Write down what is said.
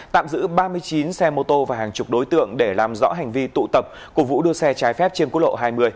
tạm giữ ba mươi chín xe mô tô và hàng chục đối tượng để làm rõ hành vi tụ tập cổ vũ đua xe trái phép trên quốc lộ hai mươi